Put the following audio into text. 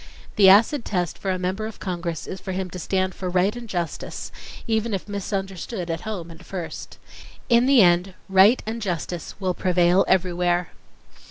The acid test for a Member of Congress is for him to stand for right and justice even if misunderstood at home at first. In the end, right and justice will prevail everywhere.